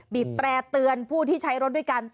แตร่เตือนผู้ที่ใช้รถด้วยกัน